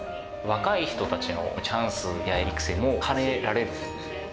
若い人たちのチャンスや育成も兼ねられる。